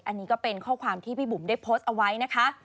อันนี้ก็เป็นข้อความที่พี่บุ๋มได้โพสต์เอาไว้นะคะ